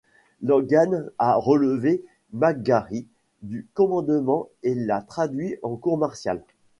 Logan a relevé McGary du commandement et l'a traduit en cour martiale.